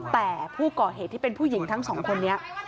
แต่ผู้ก่อเหตุที่เป็นผู้หญิงทั้งสองคนนี้